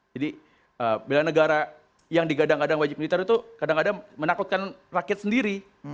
jadi bela negara yang digadang gadang wajib militer itu kadang kadang menakutkan rakyat sendiri